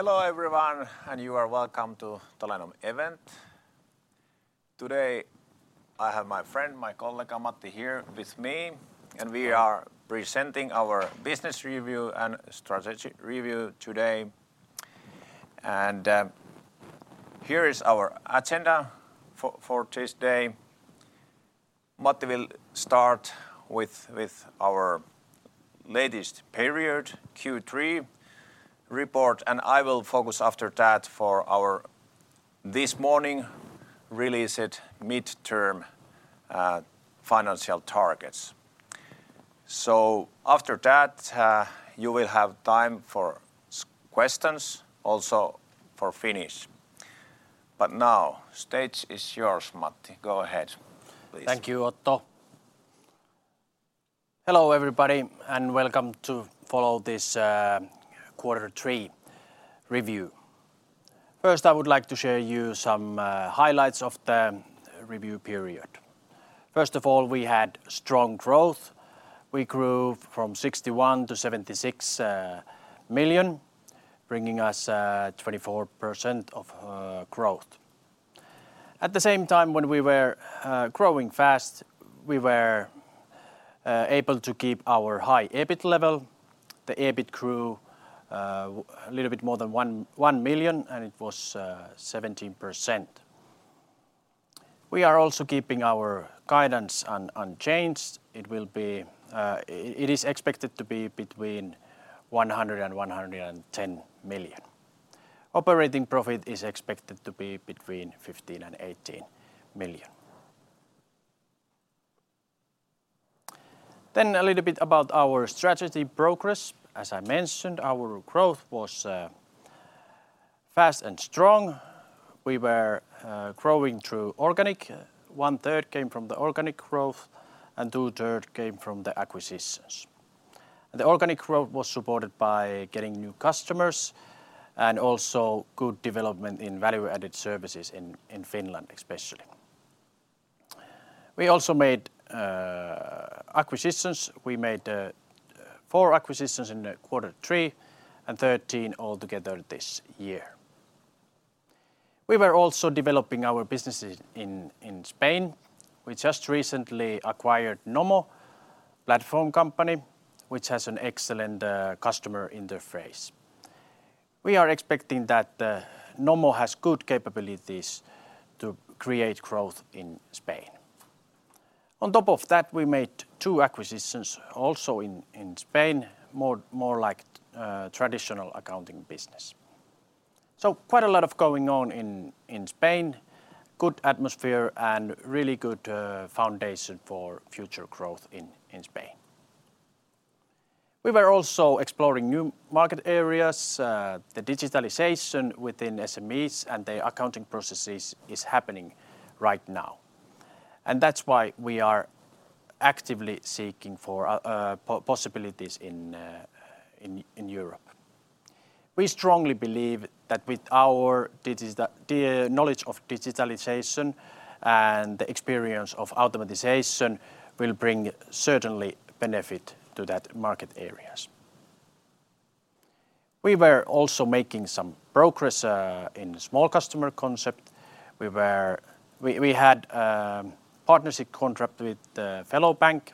Hello everyone, and you are welcome to Talenom event. Today, I have my friend, my colleague, Matti, here with me, and we are presenting our business review and strategy review today. Here is our agenda for this day. Matti will start with our latest period, Q3 report, and I will focus after that for our this morning released midterm financial targets. After that, you will have time for questions, also for Finnish. Now, stage is yours, Matti. Go ahead, please. Thank you, Otto. Hello everybody, and welcome to this quarter three review. First, I would like to share with you some highlights of the review period. First of all, we had strong growth. We grew from 61 million to 76 million, bringing us 24% growth. At the same time, when we were growing fast, we were able to keep our high EBIT level. The EBIT grew a little bit more than 1 million, and it was 17%. We are also keeping our guidance unchanged. It is expected to be between 100 million and 110 million. Operating profit is expected to be between 15 million and 18 million. A little bit about our strategy progress. As I mentioned, our growth was fast and strong. We were growing through organic. 1/3 came from the organic growth and 2/3 came from the acquisitions. The organic growth was supported by getting new customers and also good development in value-added services in Finland, especially. We also made acquisitions. We made four acquisitions in quarter three and 13 altogether this year. We were also developing our businesses in Spain. We just recently acquired Nomo, platform company, which has an excellent customer interface. We are expecting that Nomo has good capabilities to create growth in Spain. On top of that, we made 2 acquisitions also in Spain, more like traditional accounting business. Quite a lot going on in Spain. Good atmosphere and really good foundation for future growth in Spain. We were also exploring new market areas, the digitalization within SMEs and the accounting processes is happening right now. That's why we are actively seeking for possibilities in Europe. We strongly believe that with our the knowledge of digitalization and the experience of automation will bring certainly benefit to that market areas. We were also making some progress in small customer concept. We had partnership contract with Fellow Bank.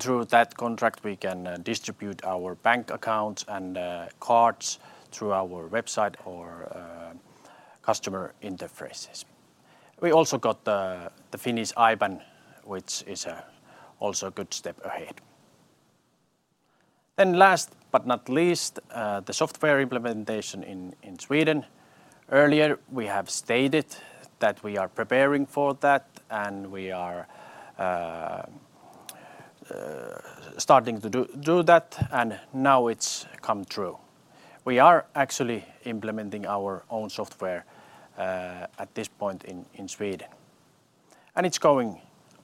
Through that contract, we can distribute our bank accounts and cards through our website or customer interfaces. We also got the Finnish IBAN, which is also a good step ahead. Last but not least, the software implementation in Sweden. Earlier, we have stated that we are preparing for that, and we are starting to do that, and now it's come true. We are actually implementing our own software at this point in Sweden. It's going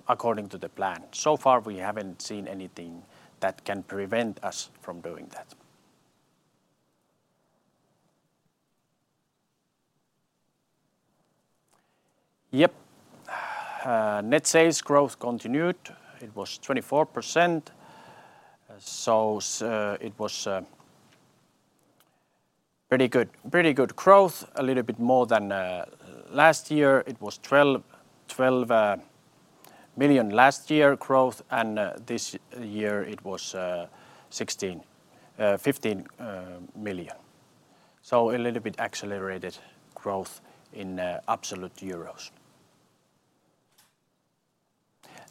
according to the plan. So far, we haven't seen anything that can prevent us from doing that. Yep. Net sales growth continued. It was 24%. It was pretty good growth, a little bit more than last year. It was 12 million last year growth, and this year it was 15 million. So a little bit accelerated growth in absolute euros.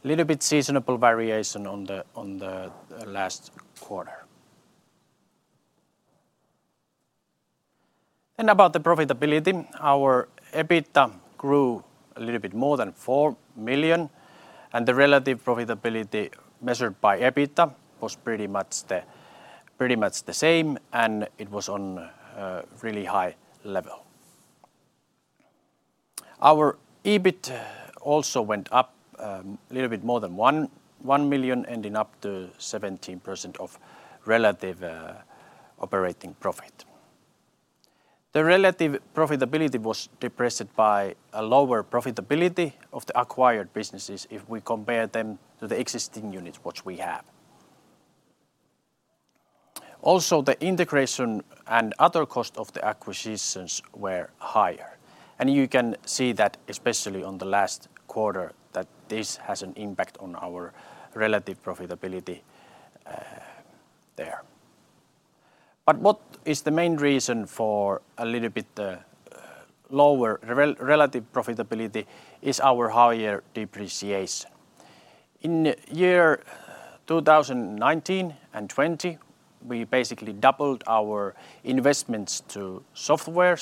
Little bit seasonal variation on the last quarter. About the profitability, our EBITDA grew a little bit more than 4 million, and the relative profitability measured by EBITDA was pretty much the same, and it was on a really high level. Our EBIT also went up, little bit more than 1 million, ending up to 17% of relative operating profit. The relative profitability was depressed by a lower profitability of the acquired businesses if we compare them to the existing units which we have. Also, the integration and other costs of the acquisitions were higher, and you can see that especially on the last quarter that this has an impact on our relative profitability, there. But what is the main reason for a little bit lower relative profitability is our higher depreciation. In 2019 and 2020, we basically doubled our investments to software,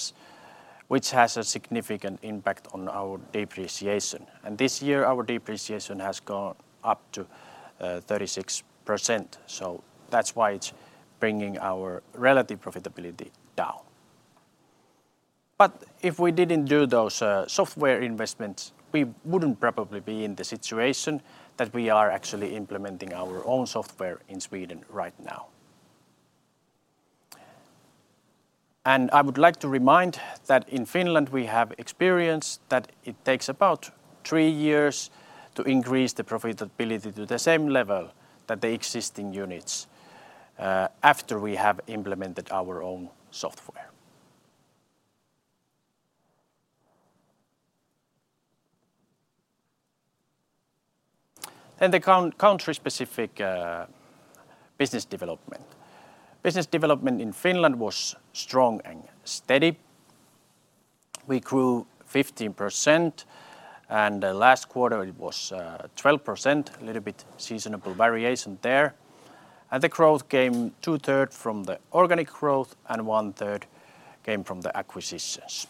which has a significant impact on our depreciation. This year, our depreciation has gone up to 36%, so that's why it's bringing our relative profitability down. If we didn't do those software investments, we wouldn't probably be in the situation that we are actually implementing our own software in Sweden right now. I would like to remind that in Finland, we have experience that it takes about three years to increase the profitability to the same level that the existing units after we have implemented our own software. Country-specific business development. Business development in Finland was strong and steady. We grew 15%, and last quarter it was 12%, a little bit seasonal variation there. The growth came two-thirds from the organic growth and one-third came from the acquisitions.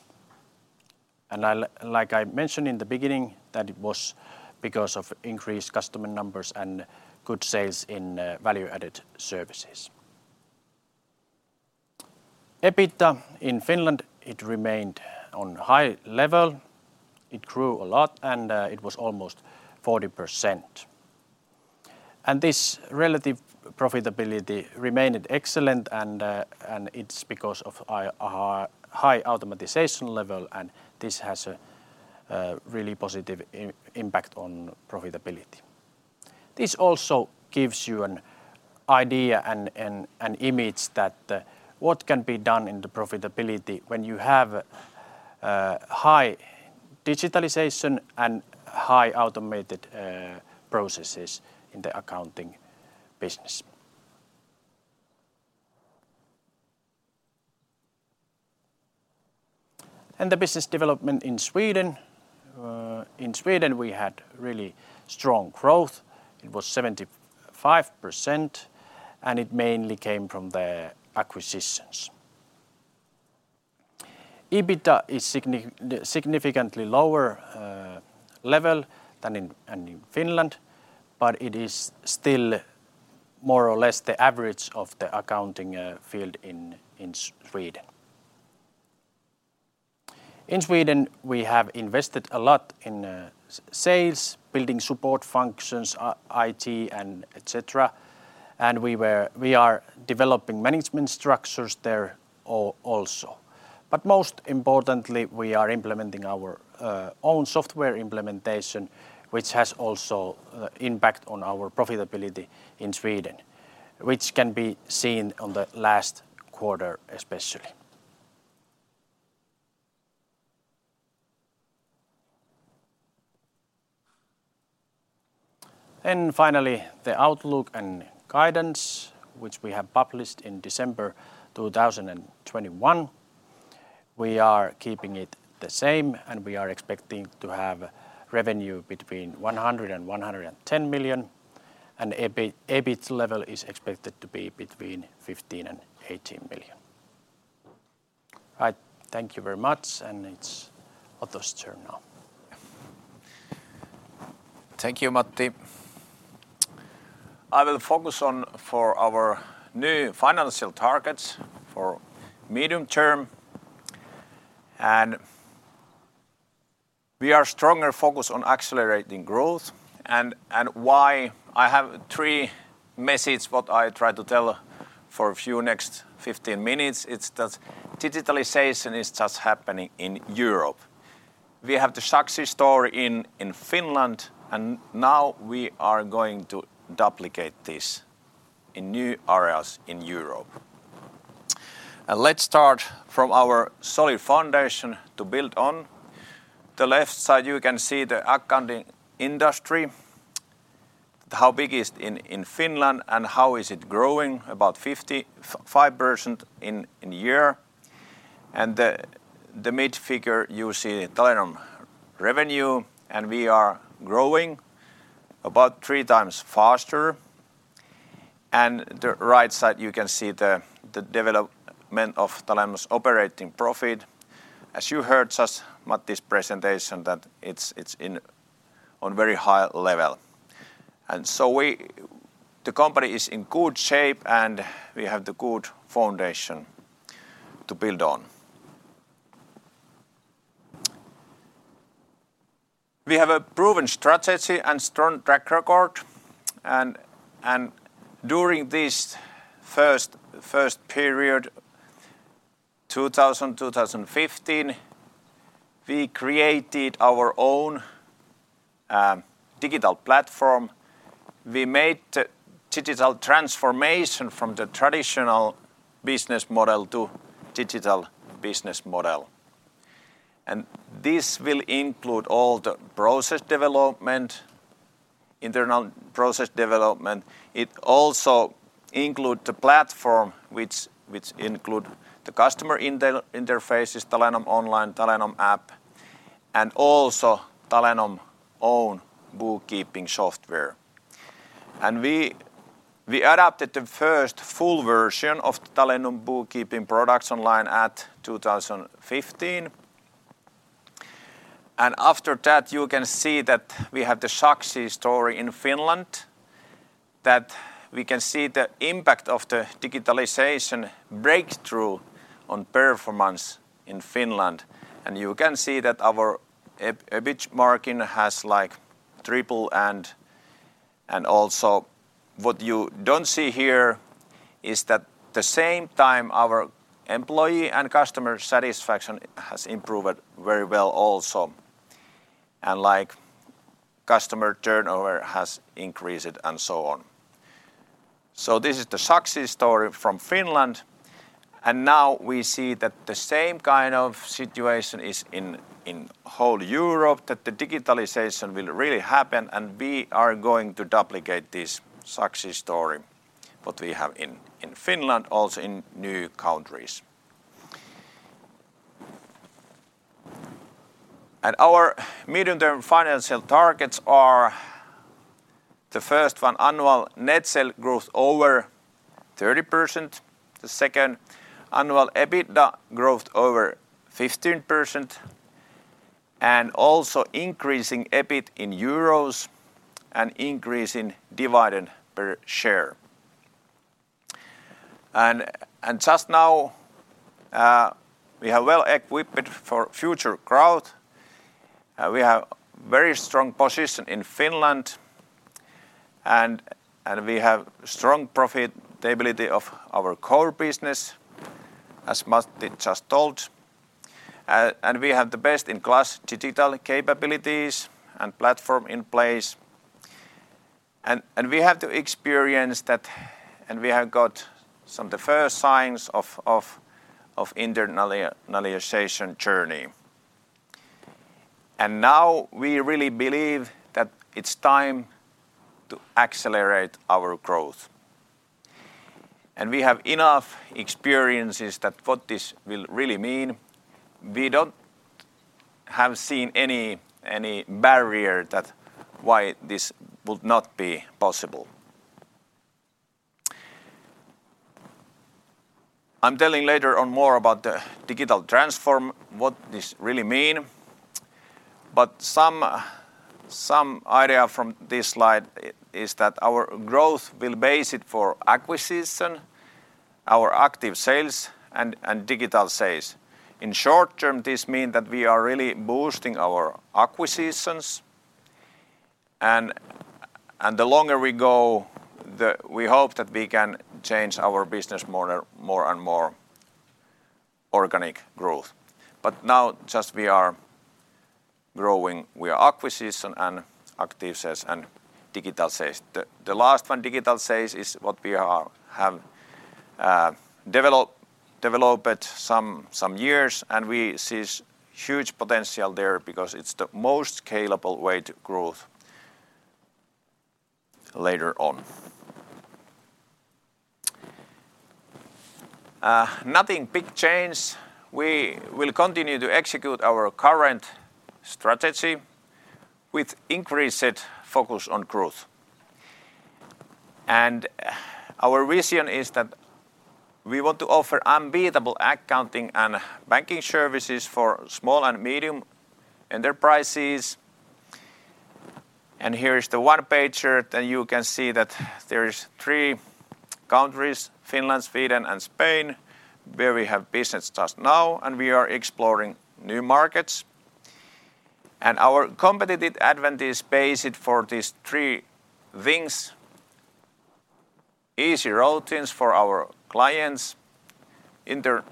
Like I mentioned in the beginning, that it was because of increased customer numbers and good sales in value-added services. EBITDA in Finland remained at a high level. It grew a lot, and it was almost 40%. This relative profitability remained excellent, and it's because of a high automation level, and this has a really positive impact on profitability. This also gives you an idea and an image that what can be done in the profitability when you have high digitalization and highly automated processes in the accounting business. The business development in Sweden. In Sweden, we had really strong growth. It was 75%, and it mainly came from the acquisitions. EBITDA is significantly lower level than in Finland, but it is still more or less the average of the accounting field in Sweden. In Sweden, we have invested a lot in sales, building support functions, IT and et cetera, and we are developing management structures there also. Most importantly, we are implementing our own software implementation, which has also impact on our profitability in Sweden, which can be seen on the last quarter especially. Finally, the outlook and guidance, which we have published in December 2021, we are keeping it the same, and we are expecting to have revenue between 100 million and 110 million, and EBIT level is expected to be between 15 million and 18 million. I thank you very much, and it's Otto's turn now. Thank you, Matti. I will focus on for our new financial targets for medium term, and we are stronger focused on accelerating growth. Why? I have three message what I try to tell for a few next 15 minutes. It's that digitalization is just happening in Europe. We have the success story in Finland, and now we are going to duplicate this in new areas in Europe. Let's start from our solid foundation to build on. The left side, you can see the accounting industry, how big is in Finland and how is it growing, about 55% in a year. The middle figure, you see Talenom revenue, and we are growing about three times faster. The right side, you can see the development of Talenom's operating profit. As you heard just Matti's presentation that it's in on very high level. The company is in good shape, and we have the good foundation to build on. We have a proven strategy and strong track record, and during this first period, 2015, we created our own digital platform. We made digital transformation from the traditional business model to digital business model. This will include all the process development, internal process development. It also include the platform which include the customer interfaces, Talenom Online, Talenom App, and also Talenom own bookkeeping software. We adapted the first full version of the Talenom bookkeeping products online at 2015. After that, you can see that we have the success story in Finland, that we can see the impact of the digitalization breakthrough on performance in Finland. You can see that our EBITDA margin has like tripled and also what you don't see here is that at the same time our employee and customer satisfaction has improved very well also. Like customer turnover has increased and so on. This is the success story from Finland, and now we see that the same kind of situation is in whole Europe, that the digitalization will really happen, and we are going to duplicate this success story what we have in Finland, also in new countries. Our medium-term financial targets are, the first one, annual net sales growth over 30%. The second, annual EBITDA growth over 15%, and also increasing EBIT in EUR and increasing dividend per share. We are well-equipped for future growth. We have very strong position in Finland and we have strong profitability of our core business, as Matti just told. We have the best-in-class digital capabilities and platform in place. We have the experience, and we have got some of the first signs of internationalization journey. Now we really believe that it's time to accelerate our growth. We have enough experiences that what this will really mean. We don't have seen any barrier that why this would not be possible. I'm telling later on more about the digital transform, what this really mean. Some idea from this slide is that our growth will be based on acquisitions, our active sales, and digital sales. In the short term, this means that we are really boosting our acquisitions and the longer we go, we hope that we can change our business more and more to organic growth. Right now we are growing via acquisitions and active sales and digital sales. The last one, digital sales, is what we have developed some years, and we see huge potential there because it's the most scalable way to grow later on. No big changes. We will continue to execute our current strategy with increased focus on growth. Our vision is that we want to offer unbeatable accounting and banking services for small and medium-sized enterprises. Here is the one-pager. You can see that there is three countries, Finland, Sweden and Spain, where we have business just now, and we are exploring new markets. Our competitive advantage is based on these three things, easy routines for our clients, internal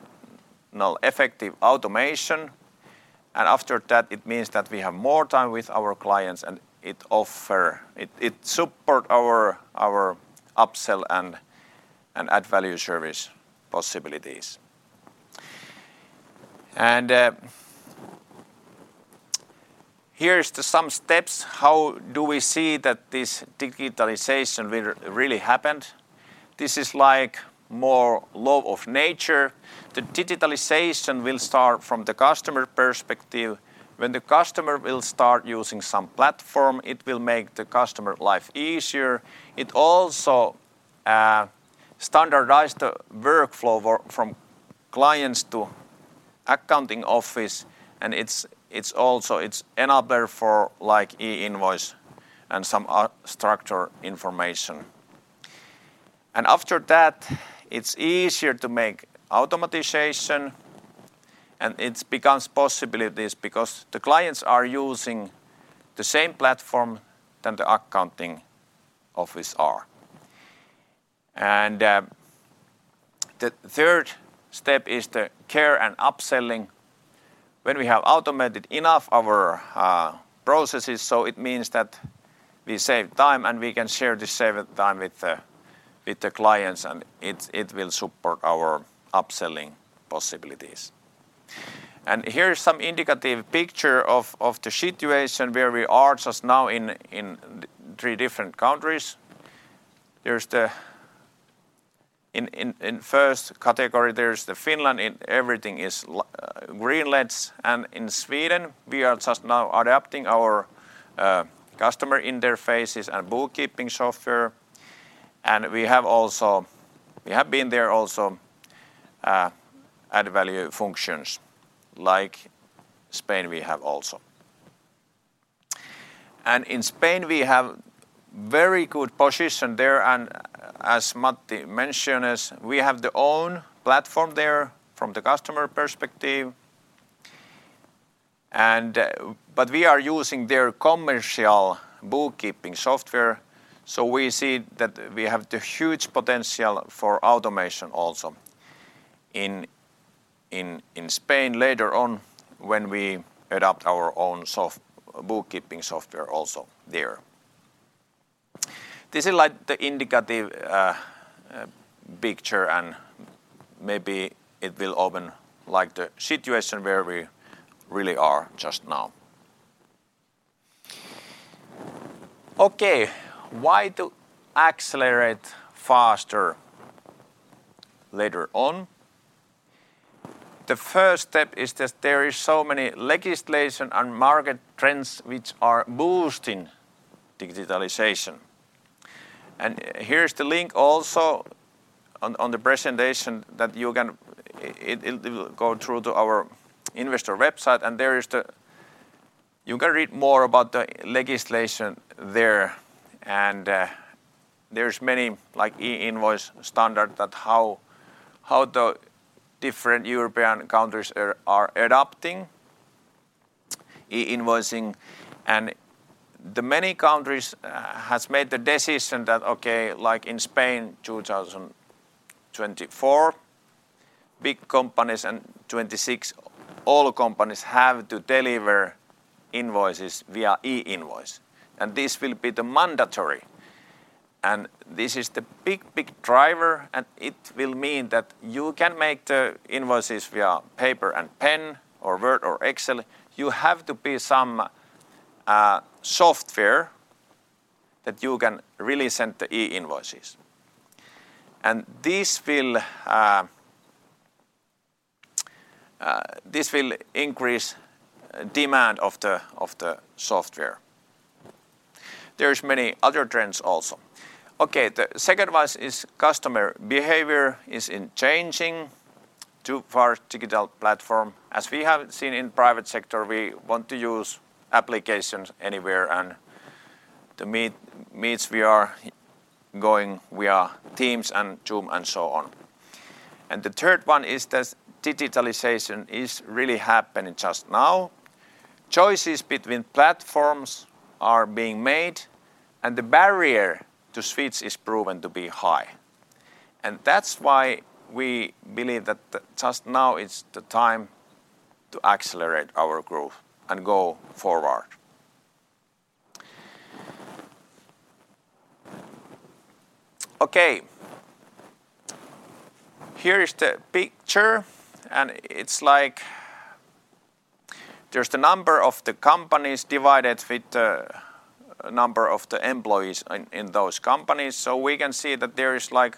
effective automation, and after that it means that we have more time with our clients and it offers, it supports our upsell and add-value service possibilities. Here is some steps, how do we see that this digitalization will really happen? This is more like a law of nature. The digitalization will start from the customer perspective. When the customer will start using some platform, it will make the customer life easier. It standardizes the workflow from clients to accounting office, and it's also an enabler for like e-invoice and some other structured information. After that, it's easier to make automation, and it becomes possibilities because the clients are using the same platform that the accounting office are. The third step is the care and upselling. When we have automated enough our processes, it means that we save time, and we can share the saved time with the clients, and it will support our upselling possibilities. Here is some indicative picture of the situation where we are just now in three different countries. In first category, there's Finland, in everything is green-led. In Sweden, we are just now adapting our customer interfaces and bookkeeping software, and we have also value-added functions like in Spain we have also. In Spain, we have very good position there, and as Matti mentioned, we have our own platform there from the customer perspective, but we are using their commercial bookkeeping software, so we see that we have the huge potential for automation also in Spain later on when we adopt our own bookkeeping software also there. This is like the indicative picture, and maybe it will open like the situation where we really are just now. Okay, why to accelerate faster later on? The first step is that there is so many legislation and market trends which are boosting digitalization. Here's the link also on the presentation that you can. It'll go through to our investor website, and there is the. You can read more about the legislation there. There's many, like, e-invoice standard that how the different European countries are adopting e-invoicing. The many countries has made the decision that, okay, like in Spain, 2024, big companies, and 2026, all companies have to deliver invoices via e-invoice. This will be the mandatory, and this is the big driver, and it will mean that you can make the invoices via paper and pen or Word or Excel. You have to be some software that you can really send the e-invoices. This will increase demand of the software. There is many other trends also. Okay, the second one is customer behavior is changing to a more digital platform. As we have seen in private sector, we want to use applications anywhere, and the meetings we are going via Teams and Zoom and so on. The third one is that digitalization is really happening just now. Choices between platforms are being made, and the barrier to switch is proven to be high, and that's why we believe that just now is the time to accelerate our growth and go forward. Okay. Here is the picture, and it's like there's the number of the companies divided with the number of the employees in those companies. So we can see that there is, like,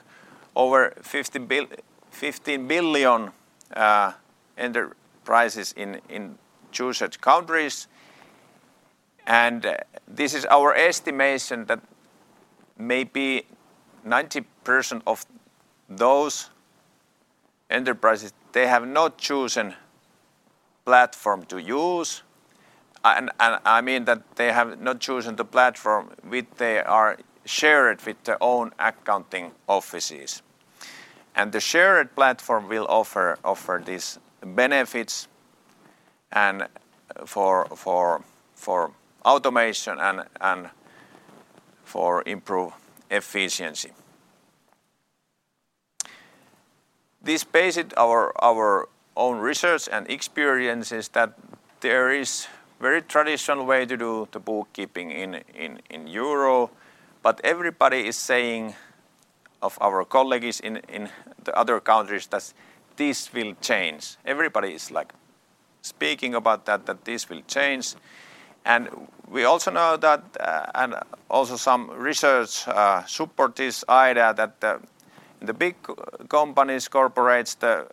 over 50 million enterprises in to countries. This is our estimation that maybe 90% of those enterprises, they have not chosen platform to use. I mean that they have not chosen the platform which they are shared with their own accounting offices. The shared platform will offer these benefits and for automation and for improve efficiency. This based our own research and experiences that there is very traditional way to do the bookkeeping in Europe. Everybody is saying, of our colleagues in the other countries, that this will change. Everybody is like speaking about that this will change. We also know that and also some research support this idea that the big companies, corporates, the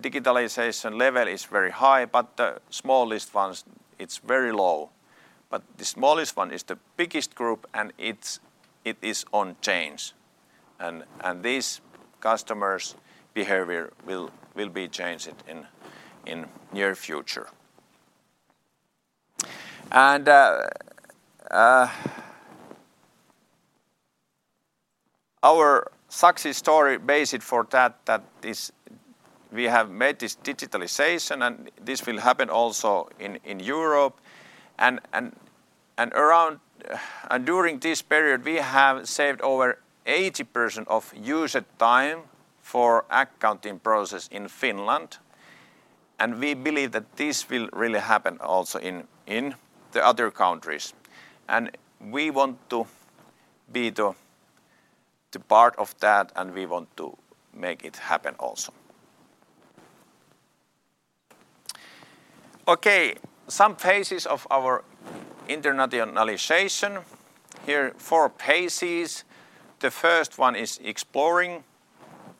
digitalization level is very high, but the smallest ones, it's very low. The smallest one is the biggest group, and it is on change. These customers' behavior will be changed in near future. Our success story based on that is we have made this digitalization and this will happen also in Europe and around. During this period, we have saved over 80% of user time for accounting process in Finland, and we believe that this will really happen also in the other countries. We want to be the part of that, and we want to make it happen also. Okay. Some phases of our internationalization. Here four phases. The first one is exploring.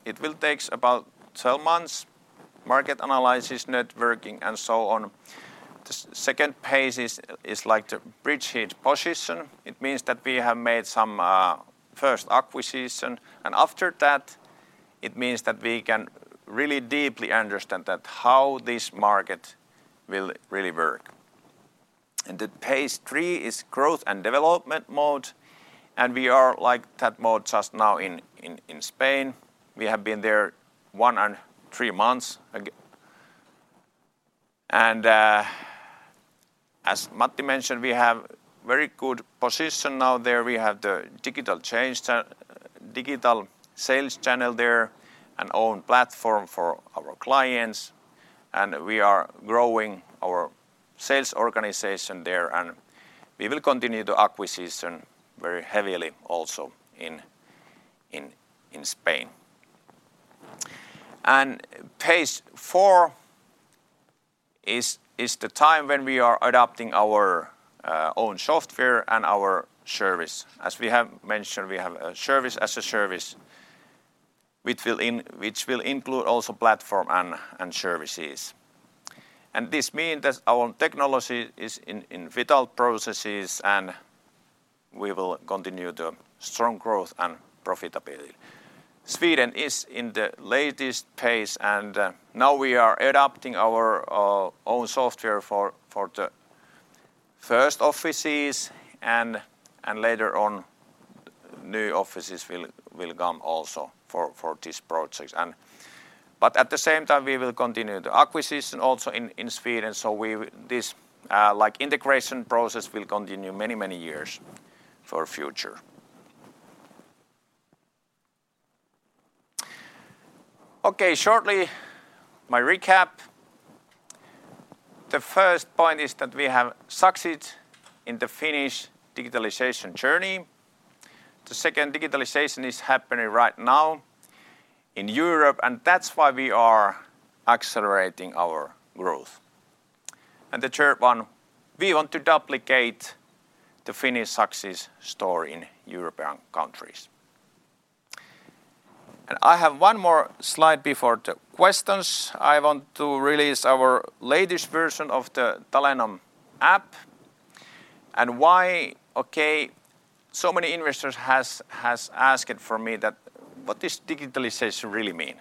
It takes about 12 months, market analysis, networking, and so on. The second phase is like the bridgehead position. It means that we have made some first acquisition, and after that, it means that we can really deeply understand that how this market will really work. The phase three is growth and development mode, and we are, like, that mode just now in Spain. We have been there one and three months ago. As Matti mentioned, we have very good position now there. We have the digital sales channel there, an own platform for our clients, and we are growing our sales organization there. We will continue the acquisition very heavily also in Spain. Phase four is the time when we are adapting our own software and our service. As we have mentioned, we have a service as a service which will include also platform and services. This means that our technology is in vital processes, and we will continue the strong growth and profitability. Sweden is in the latest phase, and now we are adapting our own software for the first offices and later on new offices will come also for this project. At the same time, we will continue the acquisition also in Sweden, so this like integration process will continue many years for future. Okay. Shortly, my recap. The first point is that we have succeeded in the Finnish digitalization journey. The second digitalization is happening right now in Europe, and that's why we are accelerating our growth. The third one, we want to duplicate the Finnish success story in European countries. I have one more slide before the questions. I want to release our latest version of the Talenom App. Why, okay, so many investors has asked for me that what this digitalization really mean?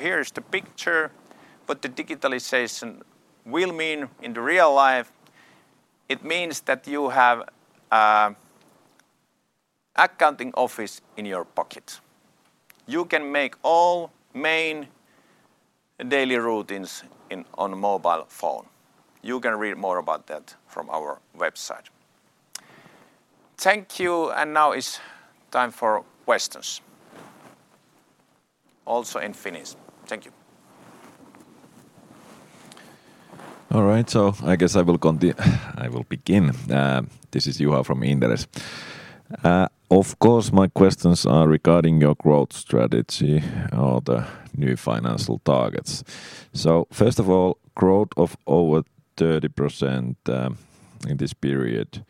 Here is the picture what the digitalization will mean in the real life. It means that you have accounting office in your pocket. You can make all main daily routines in on mobile phone. You can read more about that from our website. Thank you. Now is time for questions. Also in Finnish. Thank you. All right. I guess I will begin. This is Juha from Inderes. Of course, my questions are regarding your growth strategy or the new financial targets. First of all, growth of over 30%, in this period,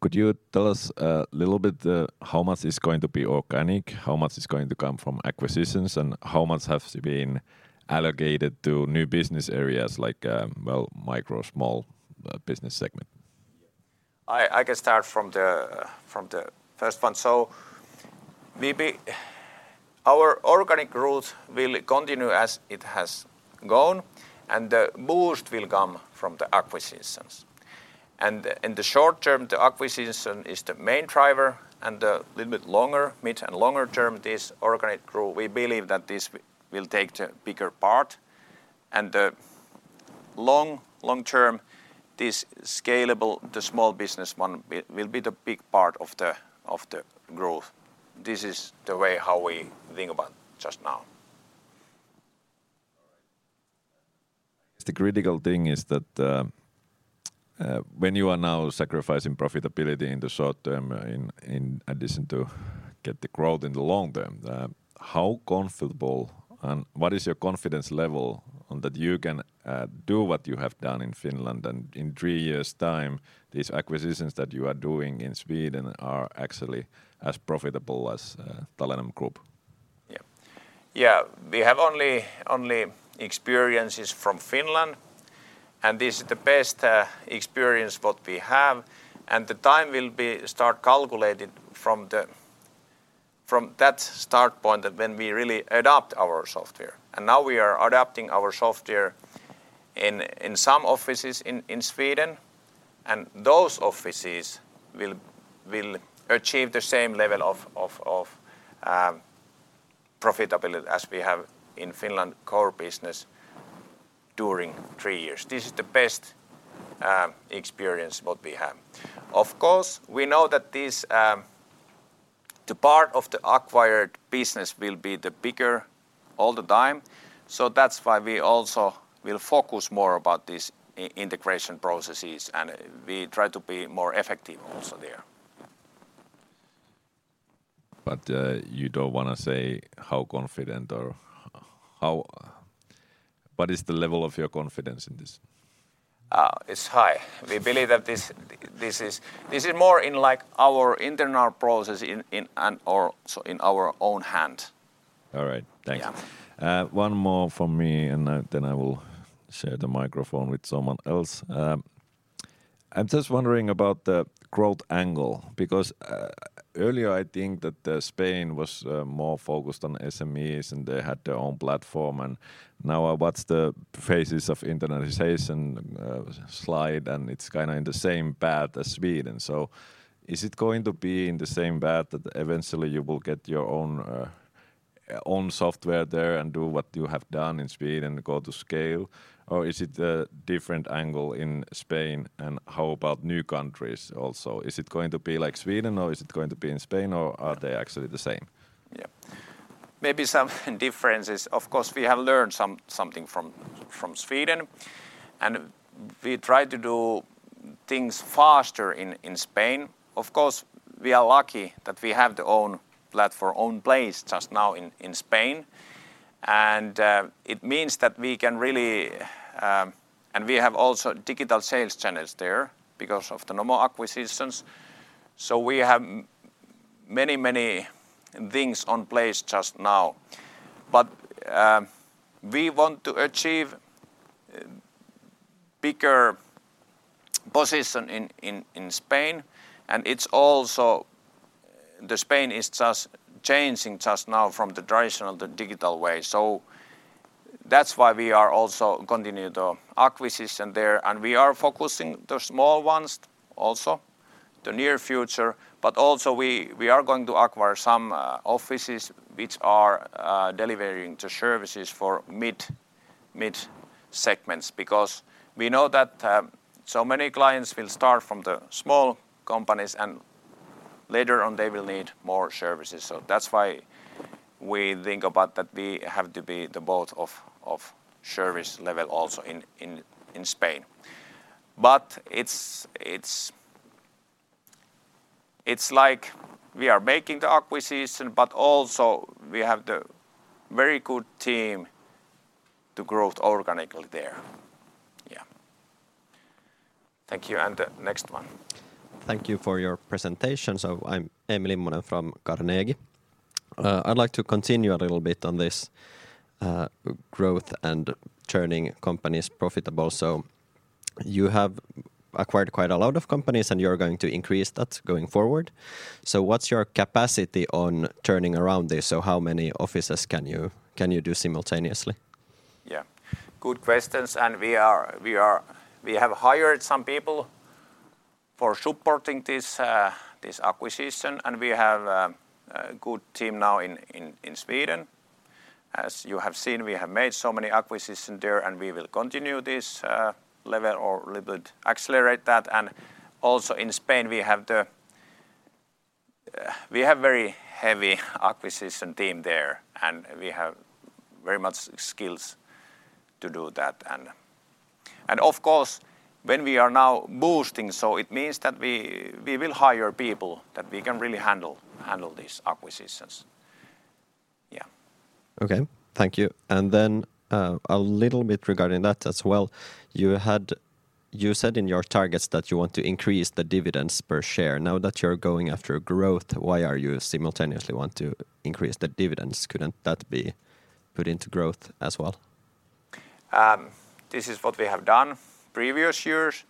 could you tell us a little bit, how much is going to be organic, how much is going to come from acquisitions, and how much has been allocated to new business areas like, well, micro, small, business segment? I can start from the first one. Our organic growth will continue as it has gone, and the boost will come from the acquisitions. In the short term, the acquisition is the main driver, and the little bit longer, mid and longer term, this organic growth, we believe that this will take the bigger part. In the long term, this scalable, the small business one will be the big part of the growth. This is the way how we think about just now. All right. The critical thing is that, when you are now sacrificing profitability in the short term in addition to get the growth in the long term, how comfortable and what is your confidence level on that you can, do what you have done in Finland, and in three years' time, these acquisitions that you are doing in Sweden are actually as profitable as, Talenom Group? Yeah. Yeah. We have only experiences from Finland, and this is the best experience what we have. The time will be start calculated from that start point that when we really adopt our software. Now we are adapting our software in some offices in Sweden, and those offices will achieve the same level of profitability as we have in Finland core business during three years. This is the best experience what we have. Of course, we know that this the part of the acquired business will be the bigger all the time, so that's why we also will focus more about this integration processes and we try to be more effective also there. You don't wanna say how confident or how. What is the level of your confidence in this? It's high. We believe that this is more like our internal process in our own hands. All right. Thanks. Yeah. One more from me and then I will share the microphone with someone else. I'm just wondering about the growth angle because earlier I think that Spain was more focused on SMEs and they had their own platform. Now I watch the phases of internationalization slide and it's kind of in the same path as Sweden. Is it going to be in the same path that eventually you will get your own software there and do what you have done in Sweden and go to scale? Is it a different angle in Spain? How about new countries also? Is it going to be like Sweden or is it going to be in Spain or are they actually the same? Yeah. Maybe some differences. Of course, we have learned something from Sweden, and we try to do things faster in Spain. Of course, we are lucky that we have our own platform, our own place just now in Spain. It means that we can really. We have also digital sales channels there because of the Nomo acquisitions. We have many things in place just now. We want to achieve bigger position in Spain, and Spain is just changing just now from the traditional to digital way. That's why we are also continue the acquisition there. We are focusing on the small ones also in the near future, but also we are going to acquire some offices which are delivering the services for mid-sized segments. Because we know that so many clients will start from the small companies, and later on they will need more services. That's why we think about that we have to be the both of service level also in Spain. It's like we are making the acquisition, but also we have the very good team to growth organically there. Yeah. Thank you, and next one. Thank you for your presentation. I'm Emil Immonen from Carnegie. I'd like to continue a little bit on this, growth and turning companies profitable. You have acquired quite a lot of companies and you're going to increase that going forward. What's your capacity on turning around this? How many offices can you do simultaneously? Yeah. Good questions. We have hired some people for supporting this acquisition, and we have a good team now in Sweden. As you have seen, we have made so many acquisition there and we will continue this level or little bit accelerate that. Also in Spain we have a very heavy acquisition team there and we have very much skills to do that. Of course when we are now boosting, it means that we will hire people that we can really handle these acquisitions. Yeah. Okay. Thank you. A little bit regarding that as well. You said in your targets that you want to increase the dividends per share. Now that you're going after growth, why are you simultaneously want to increase the dividends? Couldn't that be put into growth as well? This is what we have done previous years,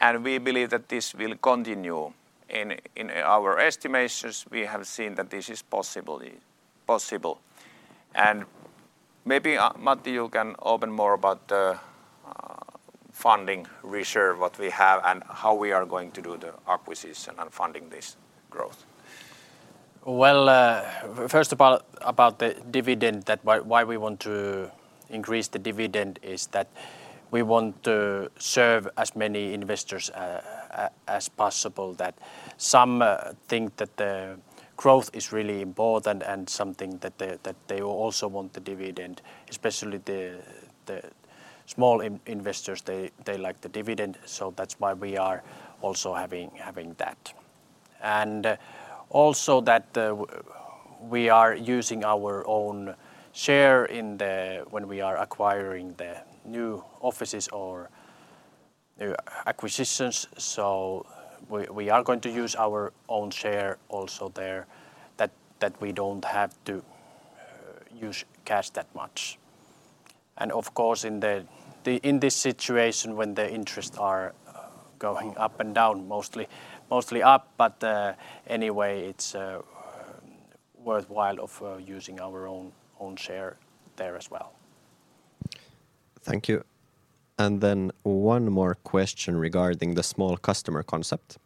and we believe that this will continue. In our estimations, we have seen that this is possibly possible. Maybe, Matti, you can open more about the funding reserve, what we have, and how we are going to do the acquisition and funding this growth. First of all, about the dividend, why we want to increase the dividend is that we want to serve as many investors as possible that some think that the growth is really important and something that they also want the dividend, especially the small investors, they like the dividend. That's why we are also having that. Also, we are using our own share when we are acquiring the new offices or new acquisitions. We are going to use our own share also there that we don't have to use cash that much. Of course, in this situation when the interest are going up and down, mostly up, but anyway it's worthwhile of using our own share there as well. Thank you. One more question regarding the small customer concept.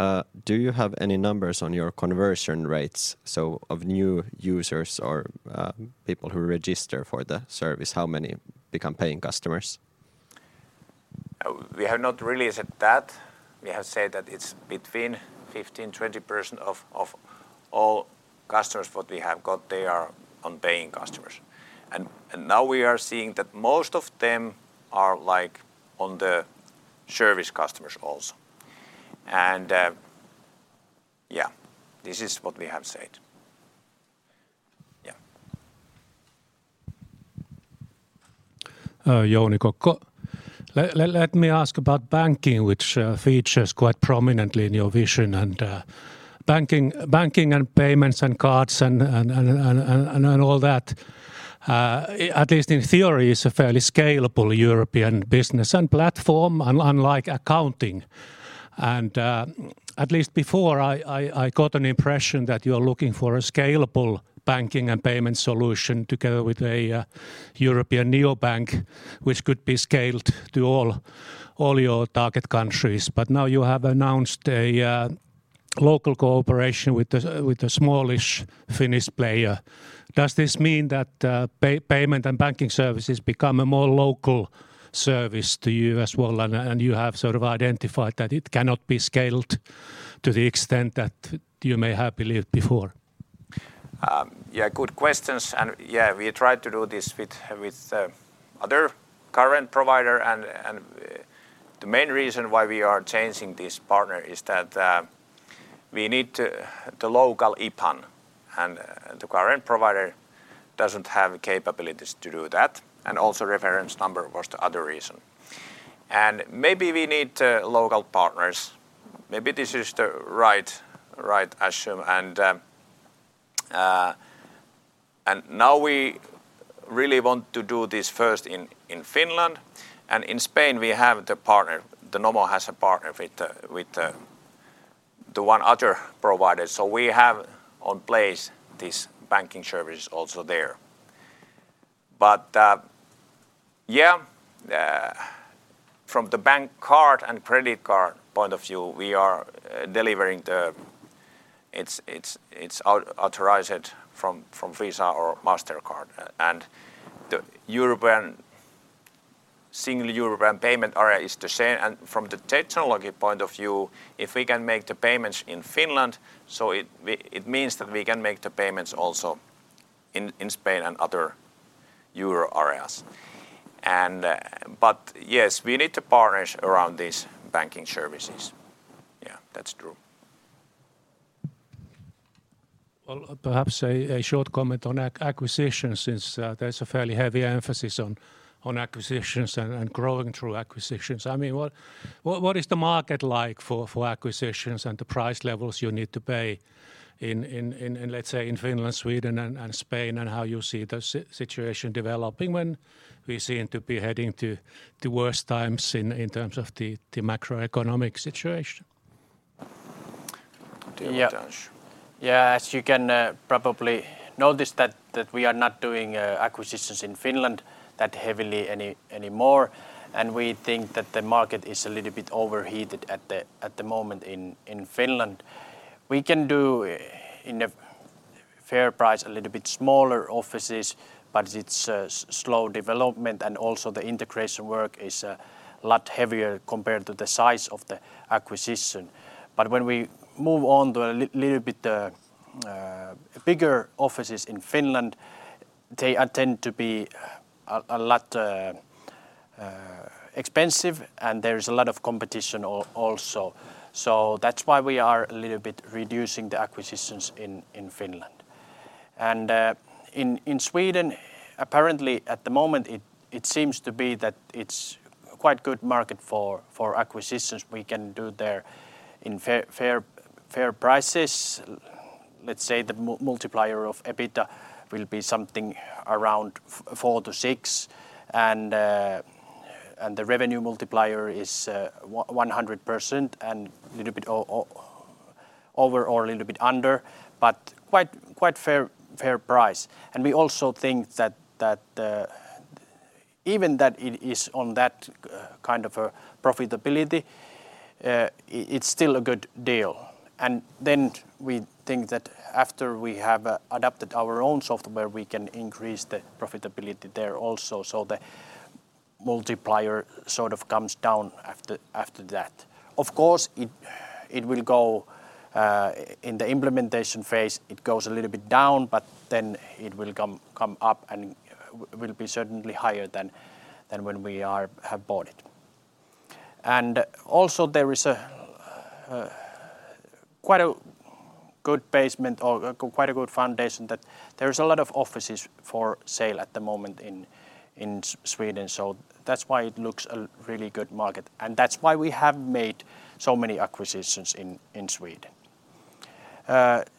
Do you have any numbers on your conversion rates, so of new users or, people who register for the service, how many become paying customers? We have not released that. We have said that it's between 15%-20% of all customers what we have got, they are on paying customers. Now we are seeing that most of them are, like, on the service customers also. Yeah, this is what we have said. Yeah. Jouni Kokko. Let me ask about banking which features quite prominently in your vision, and banking and payments and cards and all that, at least in theory, is a fairly scalable European business and platform unlike accounting. At least before I got an impression that you're looking for a scalable banking and payment solution together with a European neobank which could be scaled to all your target countries. Now you have announced a local cooperation with a smallish Finnish player. Does this mean that payment and banking services become a more local service to you as well, and you have sort of identified that it cannot be scaled to the extent that you may have believed before? Yeah, good questions. Yeah, we tried to do this with other current provider and the main reason why we are changing this partner is that we need the local IBAN, and the current provider doesn't have capabilities to do that, and also reference number was the other reason. Maybe we need local partners. Maybe this is the right assumption. Now we really want to do this first in Finland, and in Spain we have the partner. The Nomo has a partner with the other provider. So we have in place this banking service also there. Yeah, from the bank card and credit card point of view, we are delivering the. It's authorized from Visa or Mastercard, and the single European payment area is the same. From the technology point of view, if we can make the payments in Finland, it means that we can make the payments also in Spain and other euro areas. But yes, we need to partner around these banking services. Yeah, that's true. Well, perhaps a short comment on acquisitions since there's a fairly heavy emphasis on acquisitions and growing through acquisitions. I mean, what is the market like for acquisitions and the price levels you need to pay in let's say Finland, Sweden and Spain, and how you see the situation developing when we seem to be heading to the worst times in terms of the macroeconomic situation? Do you want to answer? Yeah. As you can probably notice that we are not doing acquisitions in Finland that heavily anymore, and we think that the market is a little bit overheated at the moment in Finland. We can do at a fair price a little bit smaller offices, but it's a slow development and also the integration work is a lot heavier compared to the size of the acquisition. When we move on to a little bit bigger offices in Finland, they tend to be a lot expensive and there is a lot of competition also. That's why we are a little bit reducing the acquisitions in Finland. In Sweden, apparently at the moment it seems to be that it's quite good market for acquisitions. We can do there in fair prices. Let's say the multiplier of EBITDA will be something around 4-6, and the revenue multiplier is 100% and little bit over or a little bit under, but quite fair price. We also think that even that it is on that kind of a profitability, it's still a good deal. Then we think that after we have adapted our own software we can increase the profitability there also, so the multiplier sort of comes down after that. Of course it will go in the implementation phase, it goes a little bit down, but then it will come up and will be certainly higher than when we have bought it. Also there is quite a good basis or quite a good foundation that there is a lot of offices for sale at the moment in Sweden. That's why it like a really good market, and that's why we have made so many acquisitions in Sweden.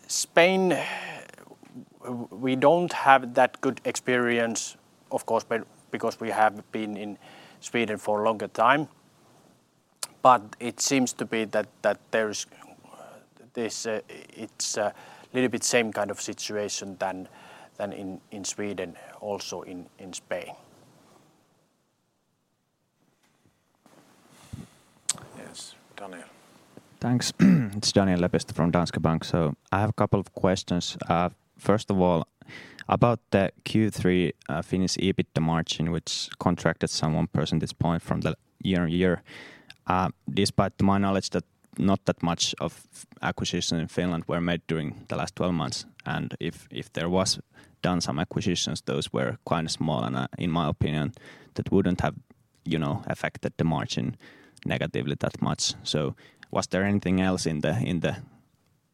Spain, we don't have that good experience of course because we have been in Sweden for a longer time. It seems to be that there's that it's little bit same kind of situation than in Sweden also in Spain. Yes, Daniel. Thanks. It's Daniel Lepistö from Danske Bank. I have a couple of questions. First of all, about the Q3 Finnish EBITDA margin which contracted by some 1 percentage point from the year-over-year. Despite my knowledge that not that many acquisitions in Finland were made during the last 12 months, and if there was done some acquisitions, those were quite small and, in my opinion that wouldn't have, you know, affected the margin negatively that much. Was there anything else in the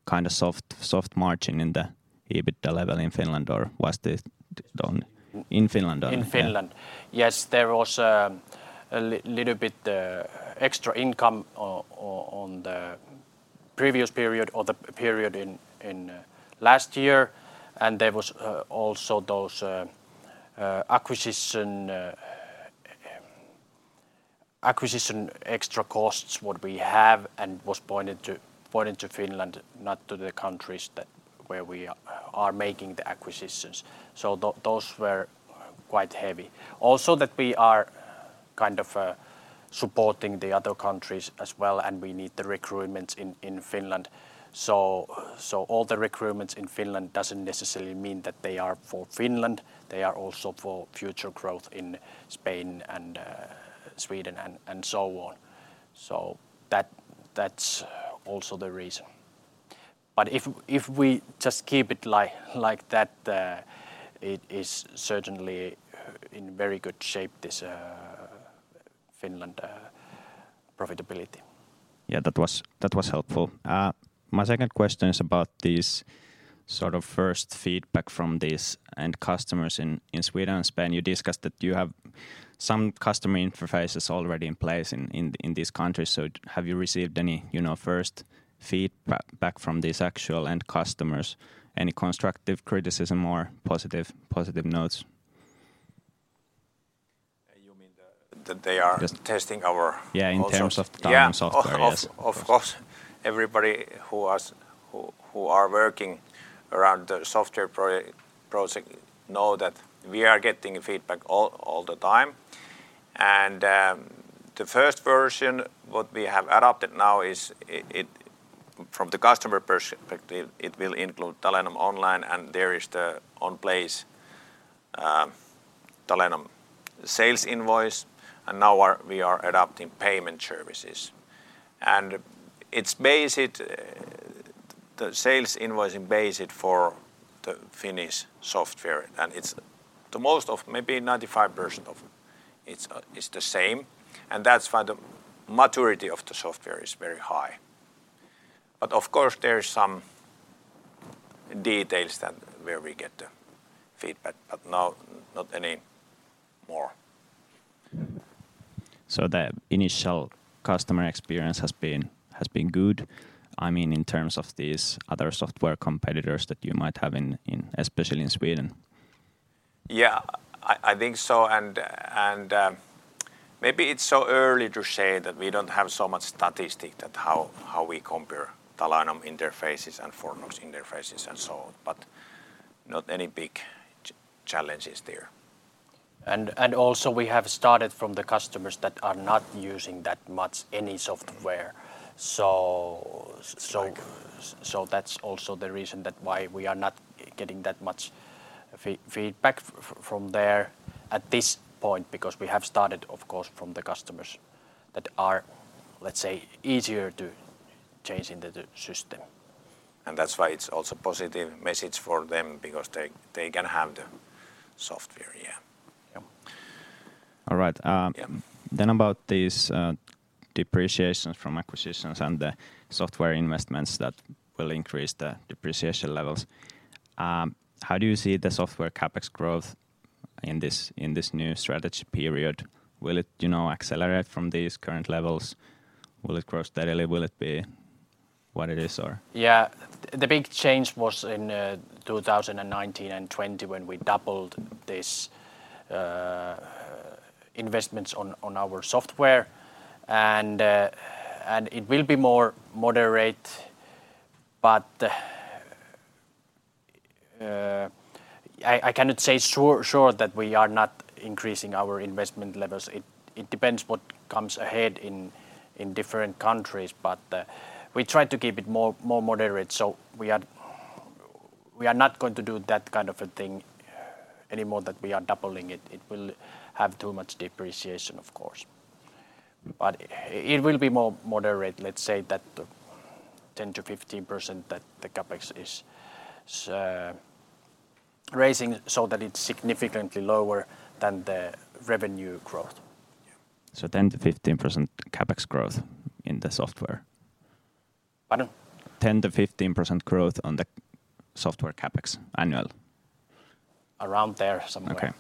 kind of soft margin in the EBITDA level in Finland, or was this done in Finland or- In Finland. Yes, there was a little bit extra income on the previous period or the period in last year, and there was also those acquisition extra costs what we have and was pointed to Finland, not to the countries that where we are making the acquisitions. Those were quite heavy. Also that we are kind of supporting the other countries as well, and we need the recruitments in Finland. All the recruitments in Finland doesn't necessarily mean that they are for Finland. They are also for future growth in Spain, and Sweden and so on. That's also the reason. If we just keep it like that, it is certainly in very good shape this Finland profitability. Yeah. That was helpful. My second question is about this sort of first feedback from these end customers in Sweden and Spain. You discussed that you have some customer interfaces already in place in these countries, so have you received any, you know, first feedback back from these actual end customers? Any constructive criticism or positive notes? You mean that they are- Just-... testing our- Yeah, in terms of. Yeah Talenom Software, yes Of course. Everybody who are working around the software project know that we are getting feedback all the time, and the first version what we have adopted now is. From the customer perspective, it will include Talenom Online, and there is one place, Talenom sales invoice, and now we are adopting payment services. It's basic, the sales invoicing basic for the Finnish software, and it's most of maybe 95% of it is the same, and that's why the maturity of the software is very high. Of course there is some details where we get the feedback, but not any more. The initial customer experience has been good, I mean, in terms of these other software competitors that you might have in especially in Sweden? Yeah. I think so, and maybe it's so early to say that we don't have so much statistics that how we compare Talenom interfaces and Fortnox interfaces and so on, but not any big challenges there. Also we have started from the customers that are not using that much any software. Like- That's also the reason that why we are not getting that much feedback from there at this point because we have started of course from the customers that are, let's say, easier to change into the system. That's why it's also positive message for them because they can have the software, yeah. Yep. All right. Yeah About these depreciations from acquisitions and the software investments that will increase the depreciation levels, how do you see the software CapEx growth in this new strategy period? Will it, you know, accelerate from these current levels? Will it grow steadily? Will it be what it is or Yeah. The big change was in 2019 and 2020 when we doubled these investments on our software, and it will be more moderate, but I cannot say for sure that we are not increasing our investment levels. It depends what comes ahead in different countries, but we try to keep it more moderate. We are not going to do that kind of a thing anymore that we are doubling it. It will have too much depreciation of course. It will be more moderate, let's say that 10%-15% that the CapEx is raising so that it's significantly lower than the revenue growth. Yeah. 10%-15% CapEx growth in the software? Pardon? 10%-15% growth on the software CapEx annual? Around there somewhere.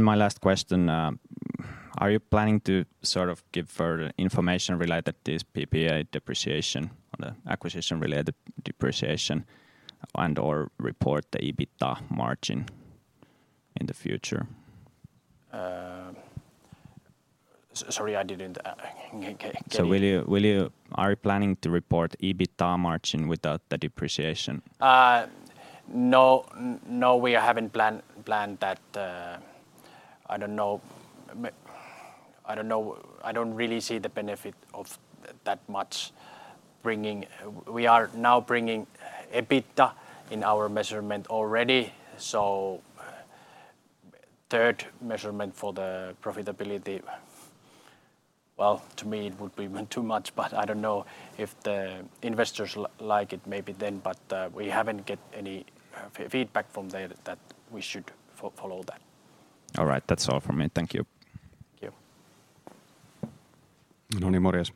My last question, are you planning to sort of give further information related to this PPA depreciation on the acquisition-related depreciation and/or report the EBITDA margin in the future? Sorry, I didn't get- Are you planning to report EBITDA margin without the depreciation? No, we haven't planned that. I don't know. I don't know. I don't really see the benefit of that much bringing. We are now bringing EBITDA in our measurement already. Third measurement for the profitability, well, to me it would be even too much, but I don't know if the investors like it. Maybe then, but we haven't get any feedback from there that we should follow that. All right. That's all from me. Thank you. Thank you. Nonimorius.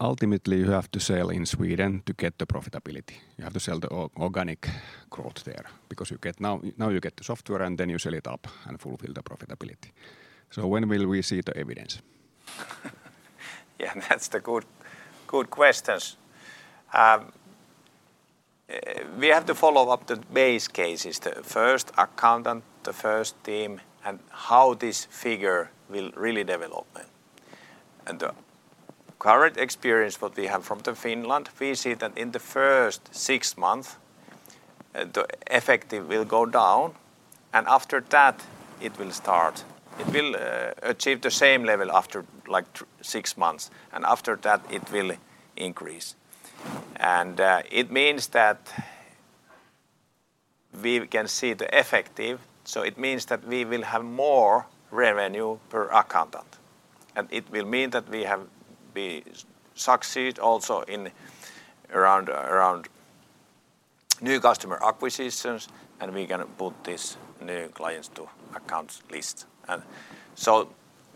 Ultimately, you have to sell in Sweden to get the profitability. You have to sell the organic growth there because you get the software, and then you sell it up and fulfill the profitability. When will we see the evidence? Yeah. That's good questions. We have to follow up the base cases, the first accountant, the first team, and how this figure will really develop. Current experience that we have from Finland, we see that in the first six months, the efficiency will go down, and after that it will start. It will achieve the same level after, like, six months, and after that it will increase. It means that we can see the efficiency, so it means that we will have more revenue per accountant, and it will mean that we succeed also in acquiring new customers, and we can put these new clients to accountants list.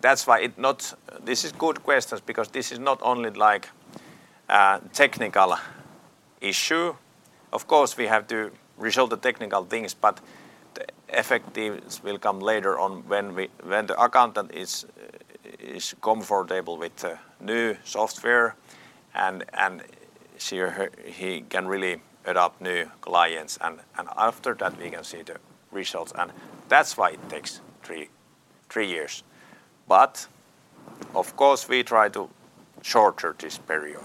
That's why it's not. This is good questions because this is not only like, technical issue. Of course, we have to resolve the technical things, but the effectiveness will come later on when the accountant is comfortable with the new software and she or he can really add new clients and after that we can see the results, and that's why it takes three years. Of course, we try to shorten this period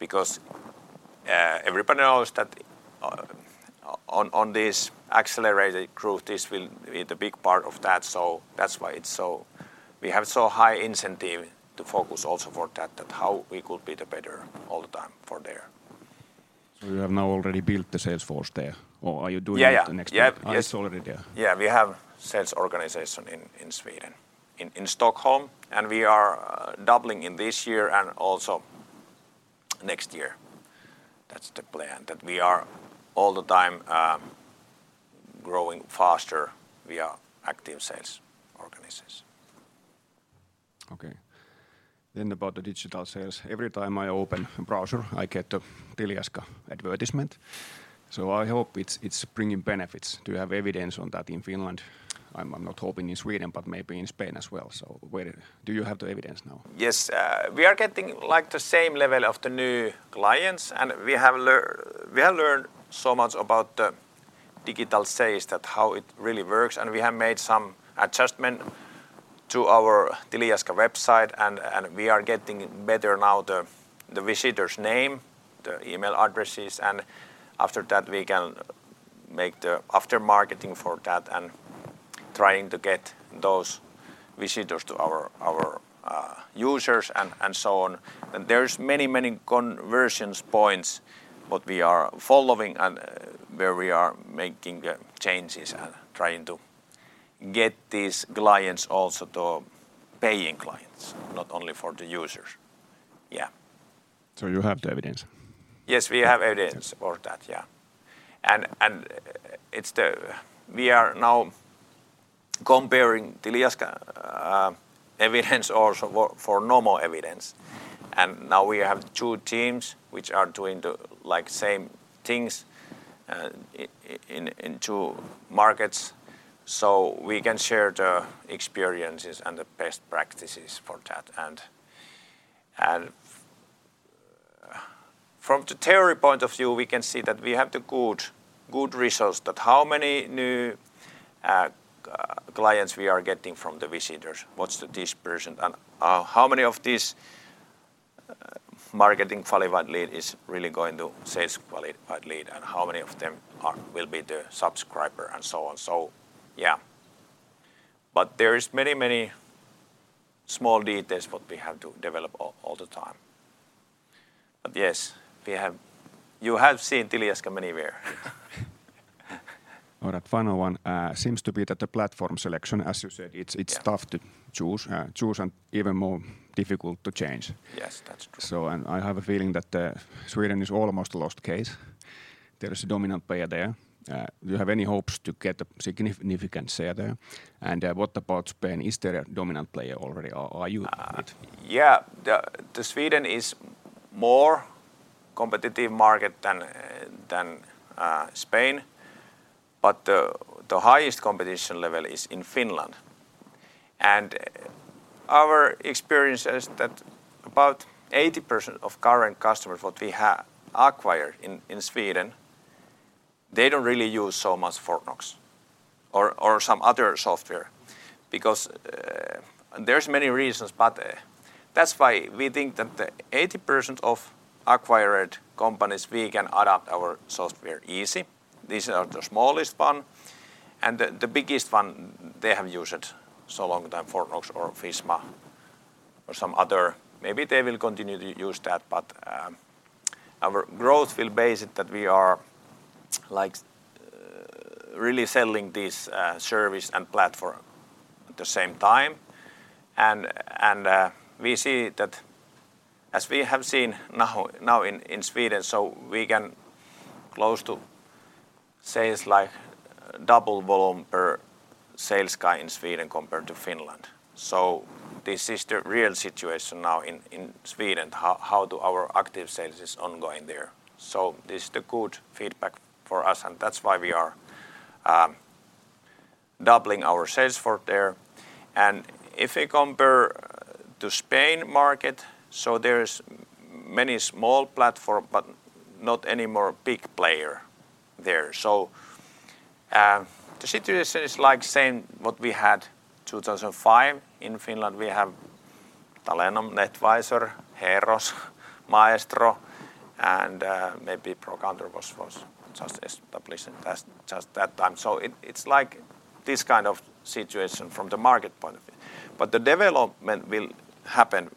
because everybody knows that on this accelerated growth, this will be the big part of that, so that's why it's so. We have so high incentive to focus also for that how we could be better all the time for their. You have now already built the sales force there, or are you doing it the next year? Yeah, yeah. Yep. Yes. It's already there? Yeah. We have sales organization in Sweden, in Stockholm, and we are doubling in this year and also next year. That's the plan, that we are all the time growing faster via active sales organizations. Okay. About the digital sales, every time I open a browser, I get a TiliJaska advertisement, so I hope it's bringing benefits. Do you have evidence on that in Finland? I'm not hoping in Sweden, but maybe in Spain as well. Where do you have the evidence now? Yes. We are getting like the same level of the new clients, and we have learned so much about the digital sales that how it really works, and we have made some adjustment to our TiliJaska website and we are getting better now the visitor's name, the email addresses, and after that we can make the after marketing for that and trying to get those visitors to our users and so on. There's many conversions points what we are following and where we are making changes and trying to get these clients also to paying clients, not only for the users. Yeah. You have the evidence? Yes, we have evidence. Okay for that. Yeah. We are now comparing TiliJaska experience also for normal experience, and now we have two teams which are doing, like, the same things in two markets, so we can share the experiences and the best practices for that. From the theory point of view, we can see that we have good results that how many new clients we are getting from the visitors, what's the conversion, and how many of these marketing qualified lead is really going to sales qualified lead, and how many of them will be the subscriber, and so on. Yeah. There is many small details what we have to develop all the time. Yes, we have. You have seen TiliJaska many times. All right. Final one, seems to be that the platform selection, as you said, it's. Yeah It's tough to choose and even more difficult to change. Yes. That's true. I have a feeling that Sweden is almost a lost case. There is a dominant player there. Do you have any hopes to get a significant share there? What about Spain? Is there a dominant player already or are you it? Yeah. The Swedish market is more competitive than Spain. The highest competition level is in Finland. Our experience is that about 80% of current customers what we have acquired in Sweden, they don't really use so much Fortnox or some other software because there's many reasons. That's why we think that the 80% of acquired companies we can adapt our software easy. These are the smallest one, and the biggest one, they have used it so long time, Fortnox or Visma or some other. Maybe they will continue to use that, but our growth will be based on that we are like really selling this service and platform at the same time, and we see that as we have seen now in Sweden, so we can close sales like double volume per sales guy in Sweden compared to Finland. This is the real situation now in Sweden, how our active sales is ongoing there. This is the good feedback for us, and that's why we are doubling our sales force there. If we compare to Spain market, there's many small platforms, but not anymore big players there. The situation is like saying what we had 2005 in Finland, we had Talenom, Netvisor, Heeros, Maestro, and maybe Procountor was just establishing just that time. It's like this kind of situation from the market point of view. The development will happen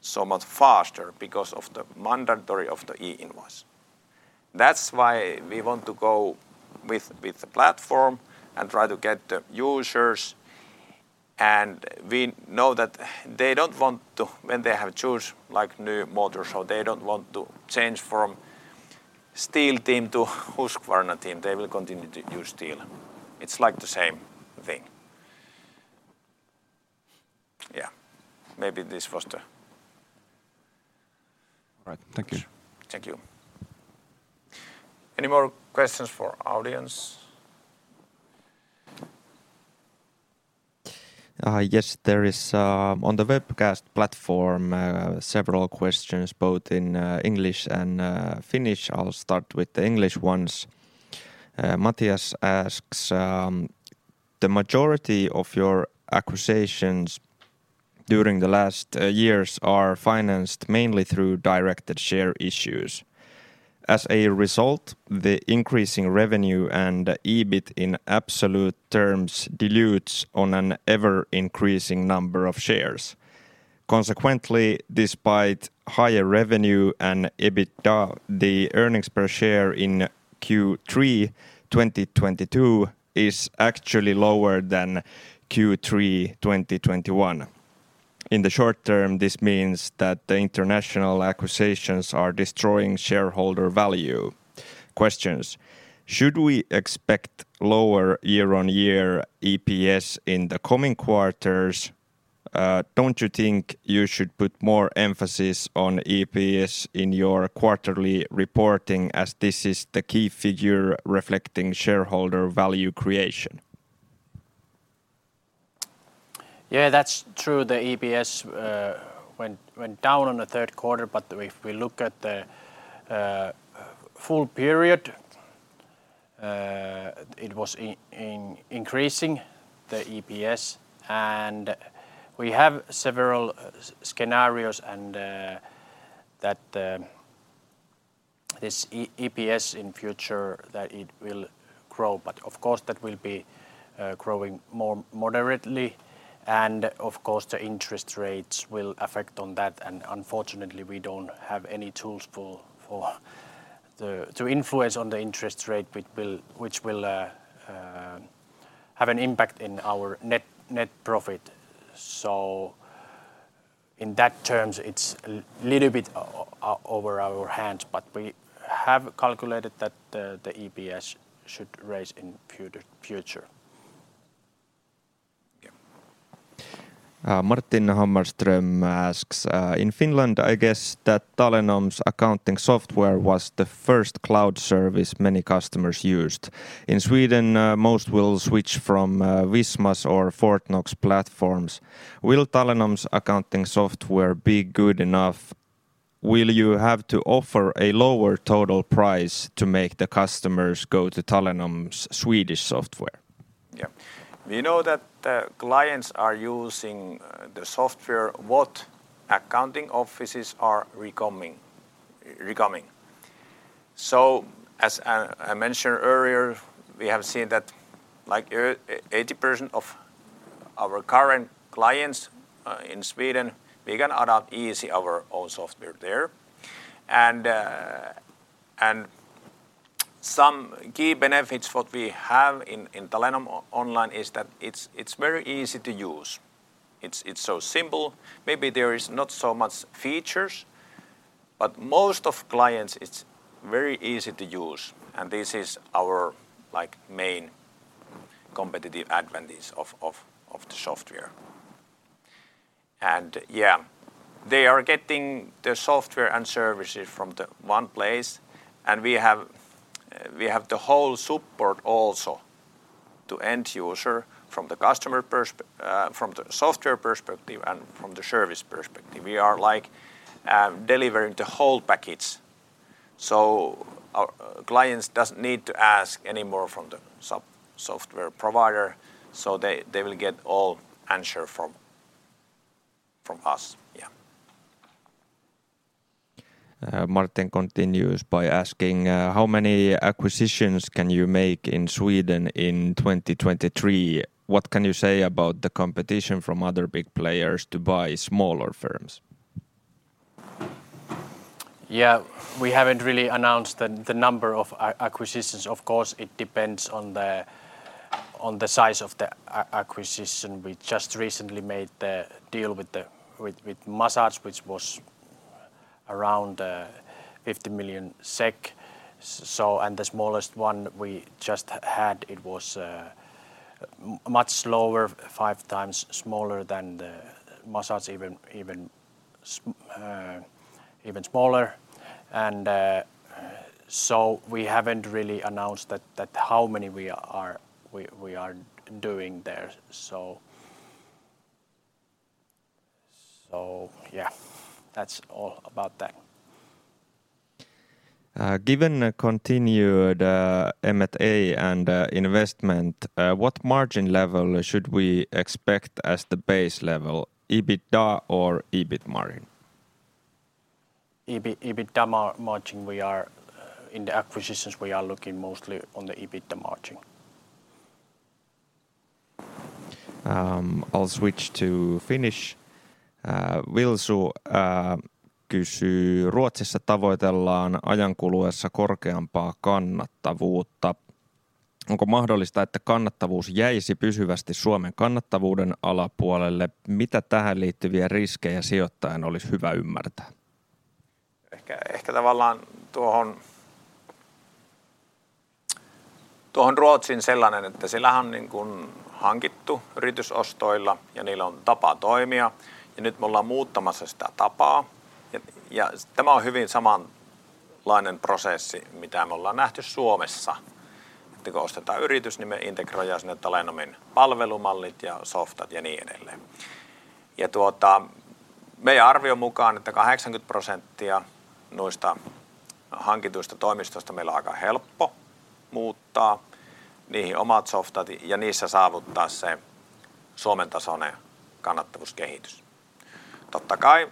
so much faster because of the mandatoriness of the e-invoice. That's why we want to go with the platform and try to get the users, and we know that they don't want to. When they have to choose like new mower, so they don't want to change from Stihl team to Husqvarna team. They will continue to use Stihl. It's like the same thing. All right. Thank you. Thank you. Any more questions for audience? Yes, there is on the webcast platform several questions both in English and Finnish. I'll start with the English ones. Matthias asks, "The majority of your acquisitions during the last years are financed mainly through directed share issues. As a result, the increasing revenue and EBIT in absolute terms dilutes on an ever-increasing number of shares. Consequently, despite higher revenue and EBITDA, the earnings per share in Q3 2022 is actually lower than Q3 2021. In the short term, this means that the international acquisitions are destroying shareholder value. Questions: Should we expect lower year-on-year EPS in the coming quarters? Don't you think you should put more emphasis on EPS in your quarterly reporting, as this is the key figure reflecting shareholder value creation? Yeah, that's true. The EPS went down in the third quarter, but if we look at the full period, it was increasing, the EPS, and we have several scenarios and that this EPS in future that it will grow, but of course that will be growing more moderately, and of course, the interest rates will affect on that, and unfortunately, we don't have any tools for the to influence on the interest rate which will have an impact in our net profit. So in that terms, it's a little bit out of our hands, but we have calculated that the EPS should rise in future. Okay. Martin Hammarström asks, "In Finland, I guess that Talenom's accounting software was the first cloud service many customers used. In Sweden, most will switch from, Visma's or Fortnox platforms. Will Talenom's accounting software be good enough? Will you have to offer a lower total price to make the customers go to Talenom's Swedish software? Yeah. We know that the clients are using the software that accounting offices are recommending. As I mentioned earlier, we have seen that like 80% of our current clients in Sweden, we can adapt easy our own software there, and some key benefits that we have in Talenom Online is that it's very easy to use. It's so simple. Maybe there is not so much features, but most of clients, it's very easy to use, and this is our like main competitive advantage of the software. Yeah, they are getting the software and services from the one place and we have the whole support also to end user from the customer perspective from the software perspective and from the service perspective. We are like delivering the whole package. Our clients doesn't need to ask any more from the software provider, so they will get all answer from us. Yeah. Martin continues by asking, "How many acquisitions can you make in Sweden in 2023? What can you say about the competition from other big players to buy smaller firms? Yeah, we haven't really announced the number of acquisitions. Of course, it depends on the size of the acquisition. We just recently made the deal with Mazars, which was around 50 million SEK. The smallest one we just had, it was much smaller, five times smaller than the Mazars even smaller. We haven't really announced that how many we are doing there. Yeah, that's all about that. Given a continued M&A and investment, what margin level should we expect as the base level, EBITDA or EBIT margin? EBITDA margin, in the acquisitions, we are looking mostly on the EBITDA margin. I'll switch to Finnish. Wilsu kysyy Ruotsissa tavoitellaan ajan kuluessa korkeampaa kannattavuutta. Onko mahdollista, että kannattavuus jäisi pysyvästi Suomen kannattavuuden alapuolelle? Mitä tähän liittyviä riskejä sijoittajan olisi hyvä ymmärtää? Ehkä tavallaan tuohon Ruotsiin sellainen, että siellähän on niin kun hankittu yritysostoilla ja niillä on tapa toimia, ja nyt me ollaan muuttamassa sitä tapaa. Tämä on hyvin samanlainen prosessi, mitä me ollaan nähty Suomessa, että kun ostetaan yritys, niin me integroidaan sinne Talenomin palvelumallit ja softat ja niin edelleen. Tuota, meidän arvion mukaan 80% noista hankituista toimistoista meillä on aika helppo muuttaa niihin omat softat ja niissä saavuttaa se Suomen tasoinen kannattavuuskehitys. Totta kai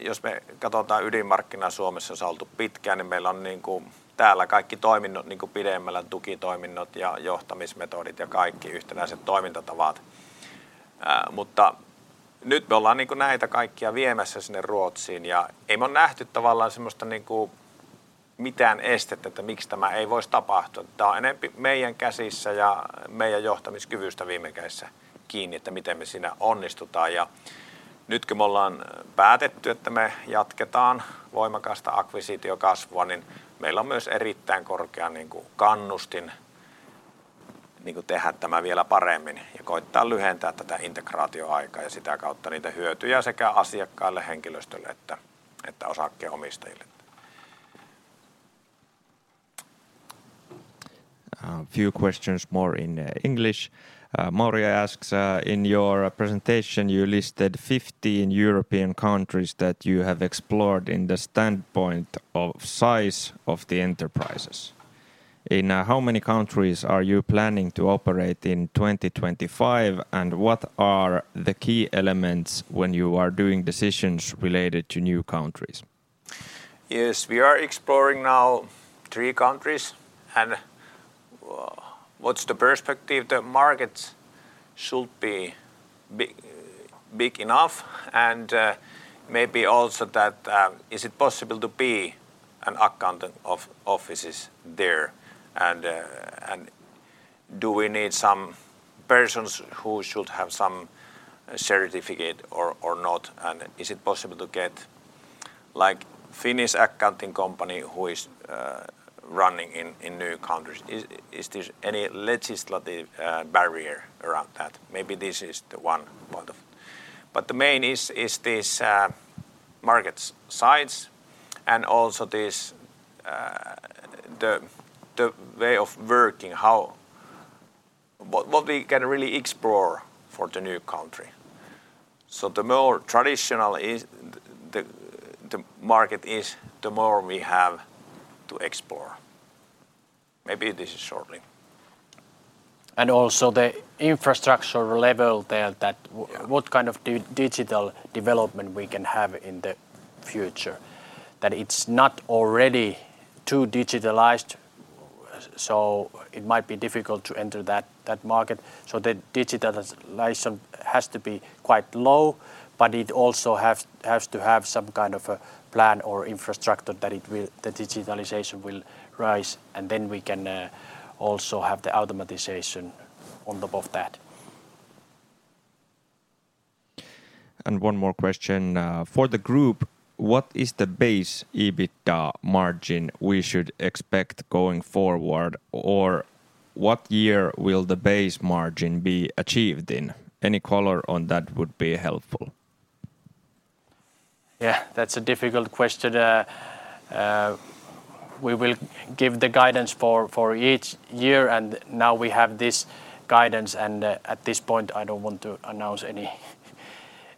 jos me katotaan ydinmarkkina, Suomessa on oltu pitkään, niin meillä on täällä kaikki toiminnot, niin kun pidemmällä tukitoiminnot ja johtamismetodit ja kaikki yhtenäiset toimintatavat. Mutta nyt me ollaan niin kun näitä kaikkia viemässä sinne Ruotsiin, ja ei me olla nähty tavallaan semmosta niin kun mitään estettä, että miksi tämä ei voisi tapahtua. Tää on enempi meidän käsissä ja meidän johtamiskyvystä viime kädessä kiinni, että miten me siinä onnistutaan. Nyt kun me ollaan päätetty, että me jatketaan voimakasta akkvisitiokasvua, niin meillä on myös erittäin korkea niin kun kannustin, niin kun tehdä tämä vielä paremmin ja koittaa lyhentää tätä integraatioaikaa ja sitä kautta niitä hyötyjä sekä asiakkaille, henkilöstölle että osakkeenomistajille. A few questions more in English. Mauri asks, "In your presentation, you listed 15 European countries that you have explored in the standpoint of size of the enterprises. In how many countries are you planning to operate in 2025? And what are the key elements when you are doing decisions related to new countries? Yes, we are exploring now three countries. What's the perspective? The markets should be big enough and maybe also that is it possible to be an accountant of offices there? And do we need some persons who should have some certificate or not? Is it possible to get like Finnish accounting company who is running in new countries? Is this any legislative barrier around that? Maybe this is the one point. The main is this markets size and also this the way of working, how what we can really explore for the new country. The more traditional is the market, the more we have to explore. Maybe this is shortly. Also the infrastructure level there. Yeah What kind of digital development we can have in the future, that it's not already too digitalized, so it might be difficult to enter that market. The digitalization has to be quite low, but it also has to have some kind of a plan or infrastructure that the digitalization will rise, and then we can also have the automation on top of that. One more question. For the group, what is the base EBITDA margin we should expect going forward? Or what year will the base margin be achieved in? Any color on that would be helpful. Yeah, that's a difficult question. We will give the guidance for each year, and now we have this guidance. At this point, I don't want to announce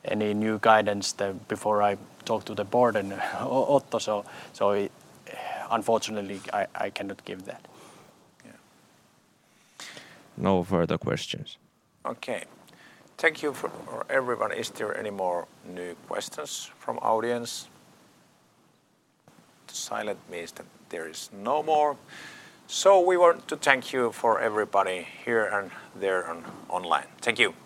any new guidance before I talk to the board and Otto. Unfortunately, I cannot give that. Yeah. No further questions. Okay. Thank you for everyone. Is there any more new questions from audience? The silence means that there is no more. We want to thank you for everybody here and there online. Thank you. Thank you.